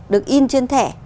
được in trên thẻ